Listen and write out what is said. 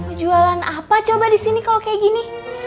mau jualan apa coba di sini kalau kayak gini